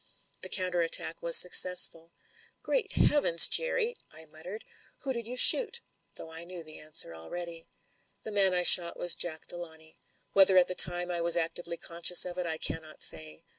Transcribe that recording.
The counter attack was suc cessful." "Great Heavens, Jerry !" I muttered, "who did you shoot?" though I knew the answer already. "The man I shot was Jack Delawnay. Whether at the time I was actively conscious of it, I cannot say.